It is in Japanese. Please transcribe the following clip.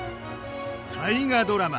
大河ドラマ